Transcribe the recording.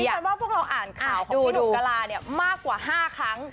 ฉันว่าพวกเราอ่านข่าวของพี่หนุ่มกะลาเนี่ยมากกว่า๕ครั้ง